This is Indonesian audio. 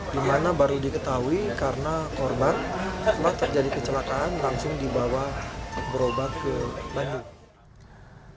di mana baru diketahui karena korban setelah terjadi kecelakaan langsung dibawa berobat ke bandung